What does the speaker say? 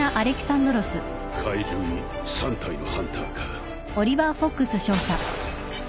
怪獣に３体のハンターか。